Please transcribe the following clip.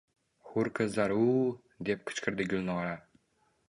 — Hur qizlar-u-u-u! — deb qichqirdi Gulnora